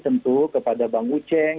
tentu kepada bang wucheng